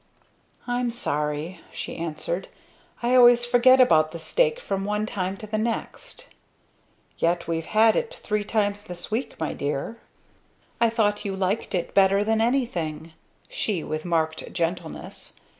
"I'm sorry," she answered, "I always forget about the steak from one time to the next." "Yet we've had it three times this week, my dear." "I thought you liked it better than anything," she with marked gentleness.